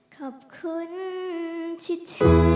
ขอบคุณที่เธออยู่